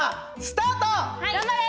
頑張れ！